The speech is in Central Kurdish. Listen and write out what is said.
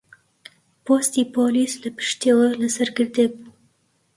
پۆستی پۆلیس لە پشتیەوە لەسەر گردێک بوو